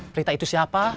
prita itu siapa